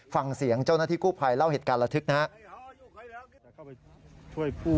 ฟังเสียงเจ้าหน้าที่กู้ภัยเล่าเหตุการณ์ระทึกนะครับ